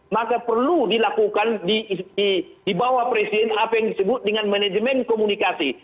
maka perlu dilakukan di bawah presiden apa yang disebut dengan manajemen komunikasi